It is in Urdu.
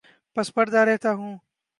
پس پردہ رہتا ہوں